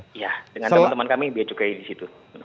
iya dengan teman teman kami beacukai di situ